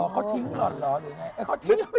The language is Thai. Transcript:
เขาทิ้งร้อนเลยไง